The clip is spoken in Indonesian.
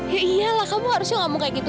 ya iyalah kamu harusnya ngomong kayak gitu